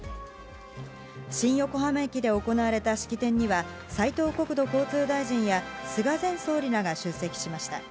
新横浜駅で行われた式典には、斉藤国土交通大臣や菅前総理らが出席しました。